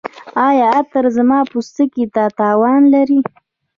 ایا عطر زما پوستکي ته تاوان لري؟